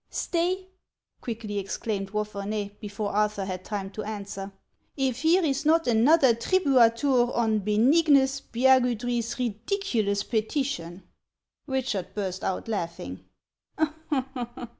" Stay !" quickly exclaimed Wapherney, before Arthur had time to answer ;" if here is not another tribuatur on Benignus Spiagudry's ridiculous petition!" Eichard burst out laughing.